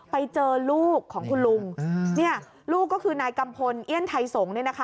ไปเจอลูกของคุณลุงเนี่ยลูกก็คือนายกัมพลเอียนไทยสงศ์เนี่ยนะคะ